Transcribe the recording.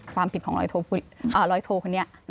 ความผิดของรอยโทเออรอยโทคนนี้